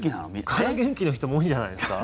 空元気の人も多いんじゃないですか。